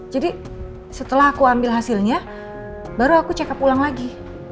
jadi setelah aku ambil hasilnya baru aku check up pulang lagi